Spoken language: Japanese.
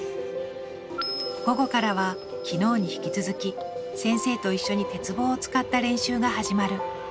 午後からは昨日に引き続き先生と一緒に鉄棒を使った練習が始まる。